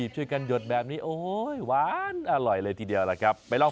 ช่วยกันหยดแบบนี้โอ้โหหวานอร่อยเลยทีเดียวล่ะครับไปลอง